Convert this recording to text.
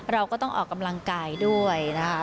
เราก็ต้องออกกำลังกายด้วยนะคะ